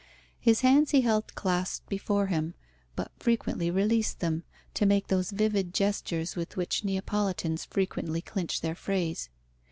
His hands he held clasped before him, but frequently released them, to make those vivid gestures with which Neapolitans frequently clinch their phrase.